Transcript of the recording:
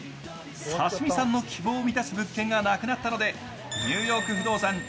刺身さんの希望を満たす物件がなくなったので「ニューヨーク不動産」